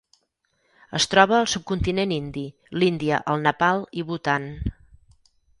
Es troba al subcontinent indi: l'Índia, el Nepal i Bhutan.